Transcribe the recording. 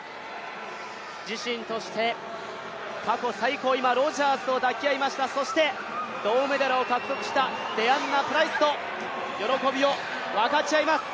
自身として過去最高、今、ロジャーズと抱き合いました、そして銅メダルを獲得したデアンナプライスと喜びを分かち合います。